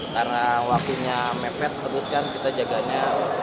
karena waktunya mepet terus kan kita jaganya